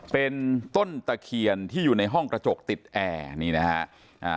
เป็นต้นตะเขียนที่อยู่ในห้องตะโจกติดแอนี่นะฮะ